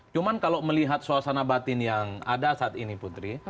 cuma kalau melihat suasana batin yang ada saat ini putri